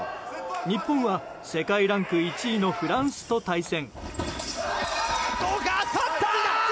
日本は世界ランク１位のフランスと対戦。